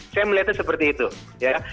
saya melihatnya seperti itu ya